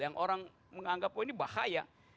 yang orang menganggap oh ini bahaya